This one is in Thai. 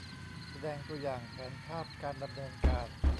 แสดงตัวอย่างแผนภาพการดำเนินการ